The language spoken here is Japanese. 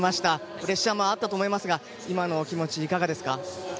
プレッシャーもあったと思いますが今のお気持ちいかがですか？